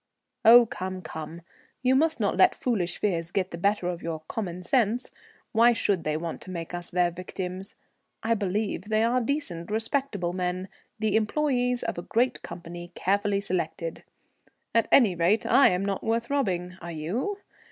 "Oh, come, come. You must not let foolish fears get the better of your common sense. Why should they want to make us their victims? I believe they are decent, respectable men, the employes of a great company, carefully selected. At any rate, I am not worth robbing, are you?